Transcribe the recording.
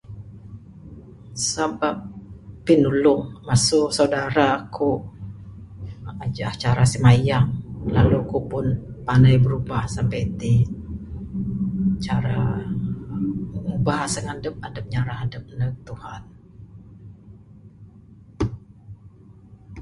Sabab pinulung masu saudara aku, ngajah cara simayang lalu ku pun panai brubah sampa tin. Cara ngubah aseng adep, adep nyarah adep neg Tuhan.